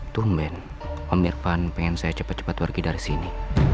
tumben om irfan pengen saya cepet cepet pergi dari sini